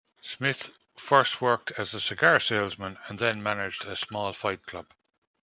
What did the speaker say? Smith first worked as a cigar salesman, and then managed a small fight club.